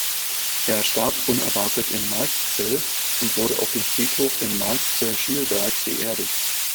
Er starb unerwartet in Marxzell und wurde auf dem Friedhof in Marxzell-Schielberg beerdigt.